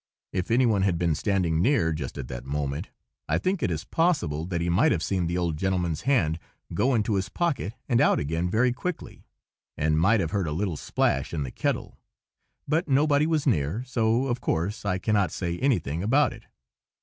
If any one had been standing near just at that moment, I think it is possible that he might have seen the old gentleman's hand go into his pocket and out again very quickly, and might have heard a little splash in the kettle; but nobody was near, so, of course, I cannot say anything about it.